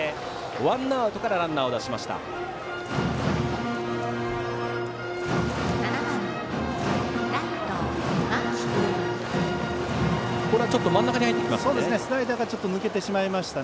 ワンアウトからランナーを出しました。